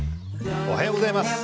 おはようございます。